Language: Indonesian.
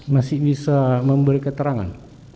masih bisa memberi keterangan